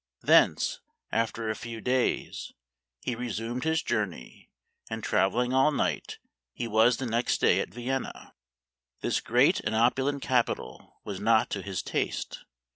Thence, after a few days, he resumed his journey, and, travel ing all night, he was the next day at Vienna. This great and opulent capital was not to his taste.